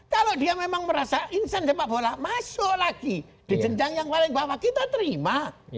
kalau dia memang merasa insan sepak bola masuk lagi di jenjang yang paling bawah kita terima